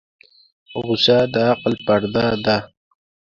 غوسه د عقل پرده ده.